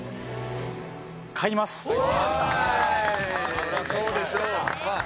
そりゃそうでしょう。